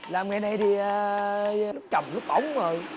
làm nghề này thì lúc trầm lúc ổng rồi